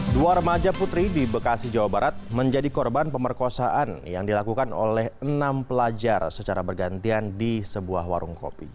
dua remaja putri di bekasi jawa barat menjadi korban pemerkosaan yang dilakukan oleh enam pelajar secara bergantian di sebuah warung kopi